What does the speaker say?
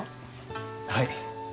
はい。